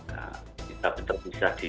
kita betul betul bisa di